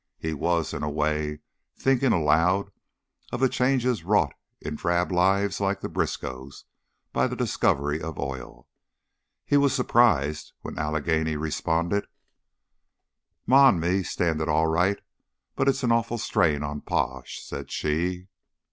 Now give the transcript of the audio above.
He was, in a way, thinking aloud of the changes wrought in drab lives like the Briskows' by the discovery of oil. He was surprised when Allegheny responded: "Ma and me stand it all right, but it's an awful strain on Pa," said she.